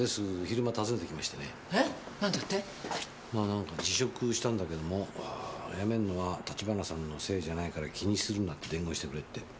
なんか辞職したんだけども辞めるのは橘さんのせいじゃないから気にするなって伝言してくれって。